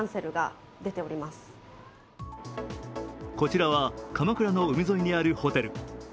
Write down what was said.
こちらは鎌倉の海沿いにあるホテル。